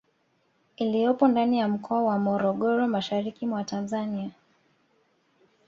Iliyopo ndani ya Mkoa wa Morogoro mashariki mwa Tanzania